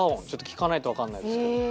ちょっと聞かないとわかんないですけど。